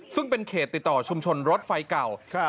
ซึ่งเป็นเขตติดต่อชุมชนรถไฟเก่า